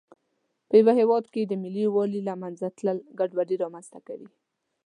په یوه هېواد کې د ملي یووالي له منځه تلل ګډوډي رامنځته کوي.